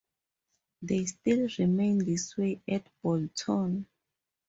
They still remain this way at Bolton.